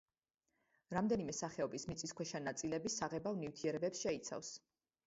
რამდენიმე სახეობის მიწისქვეშა ნაწილები საღებავ ნივთიერებებს შეიცავს.